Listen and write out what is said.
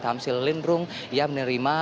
tamsil lindrung yang menerima